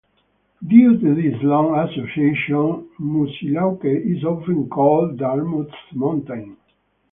Due to this long association, Moosilauke is often called "Dartmouth's Mountain".